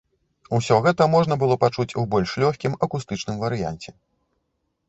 Усё гэта можна было пачуць у больш лёгкім акустычным варыянце.